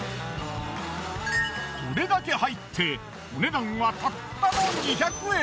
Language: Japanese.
これだけ入ってお値段はたったの２００円。